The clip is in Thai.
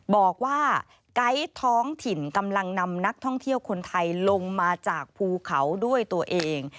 ไกด์ท้องถิ่นกำลังนำนักท่องเที่ยวคนไทยลงมาจากภูเขาด้วยตัวเอง